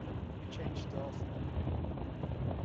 You change too often.